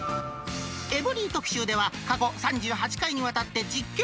エブリィ特集では、過去３８回にわたって実験。